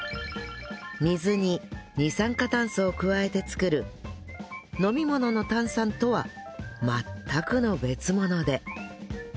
水に二酸化炭素を加えて作る飲み物の炭酸とは全くの別物で